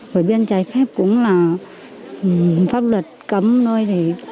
rồi biên trái phép cũng là pháp luật cấm thôi